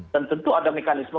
dan tentu ada mekanisme